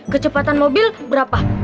kecepatan mobil berapa